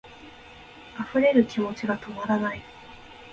溢れる気持ちが止まらない